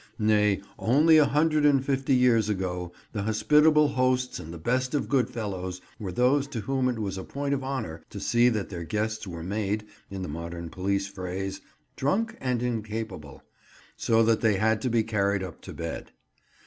Nay, only a hundred and fifty years ago, the hospitable hosts and the best of good fellows were those to whom it was a point of honour to see that their guests were made, in the modern police phrase, "drunk and incapable," so that they had to be carried up to bed.